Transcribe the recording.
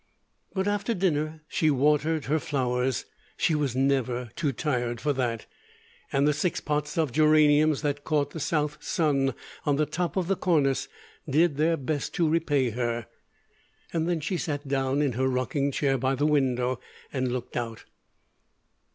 But after dinner she watered her flowers. She was never too tired for that, and the six pots of geraniums that caught the south sun on the top of the cornice did their best to repay her. Then she sat down in her rocking chair by the window and looked out.